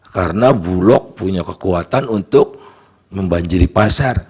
karena bulog punya kekuatan untuk membanjiri pasar